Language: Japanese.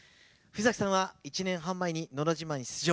藤崎さんは１年半前に「のど自慢」に出場。